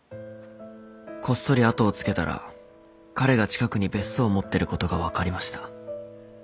こっそり後をつけたら彼が近くに別荘を持ってることが分かりました。